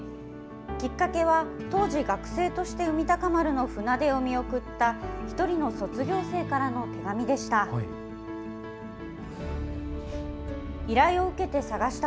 きっかけは、当時、学生として海鷹丸の船出を見送った、１人の卒業生からの手紙でした。